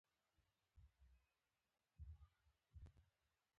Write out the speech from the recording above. که دوی نه وي